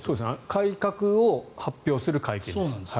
改革を発表する会見でした。